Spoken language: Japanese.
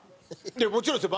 もちろんですよ。